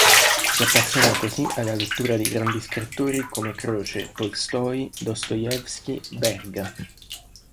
Si appassionò così alla lettura di grandi scrittori come Croce, Tolstoj, Dostoevskij, Verga.